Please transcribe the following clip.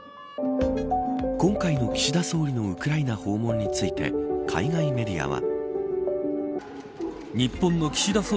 今回の岸田総理のウクライナ訪問について海外メディアは。